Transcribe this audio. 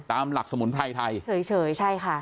ตามหลักสมุนไพรไทยเฉยใช่ค่ะ